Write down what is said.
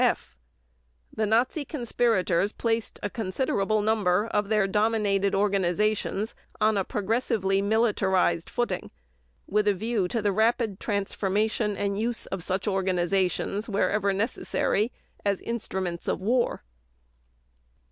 (f) The Nazi conspirators placed a considerable number of their dominated organizations on a progressively militarized footing with a view to the rapid transformation and use of such organizations whenever necessary as instruments of war.